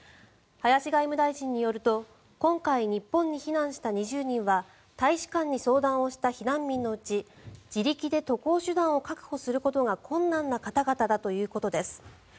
林外務大臣によると今回、日本に避難した２０人は大使館に相談をした避難民のうち自力で渡航手段を確保することが困難な方々だということです。